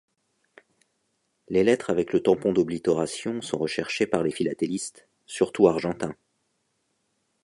Les lettres avec le tampon d'oblitération sont recherchées par les philatélistes, surtout Argentins.